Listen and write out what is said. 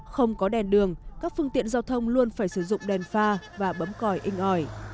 không có đèn đường các phương tiện giao thông luôn phải sử dụng đèn pha và bấm còi inh ỏi